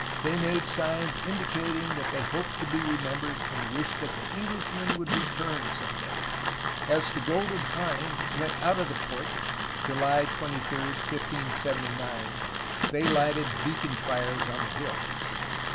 They made signs indicating that they hoped to be remembered and wished that the Englishmen would return some day. As the Golden Hind went out of the port, July 23, 1579, they lighted beacon fires on the hills.